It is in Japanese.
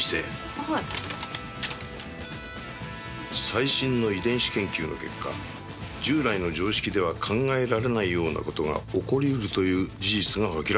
「最新の遺伝子研究の結果従来の常識では考えられないような事が起こり得るという事実が明らかになった」